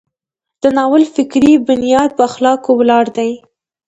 د ناول فکري بنیاد په اخلاقو ولاړ دی.